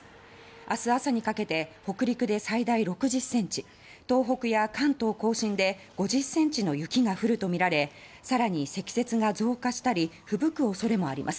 あす朝にかけて北陸で最大６０ｃｍ東北や関東・甲信で５０ｃｍの雪が降るとみられさらに積雪が増加したりふぶく恐れもあります。